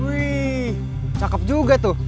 wih cakep juga tuh